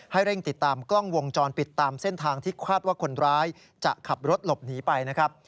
เร่งติดตามกล้องวงจรปิดตามเส้นทางที่คาดว่าคนร้ายจะขับรถหลบหนีไปนะครับ